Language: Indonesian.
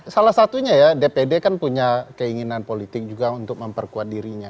salah satunya ya dpd kan punya keinginan politik juga untuk memperkuat dirinya